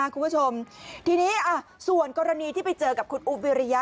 คุณผู้ชมทีนี้ส่วนกรณีที่ไปเจอกับคุณอุ๊บวิริยะ